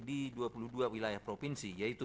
di dua puluh dua wilayah provinsi yaitu